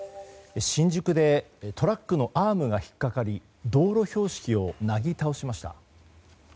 新宿でトラックのアームが引っ掛かり道路標識をなぎ倒しました。